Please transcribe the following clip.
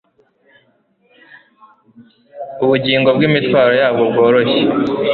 Ubugingo bwimitwaro yabwo bworoshe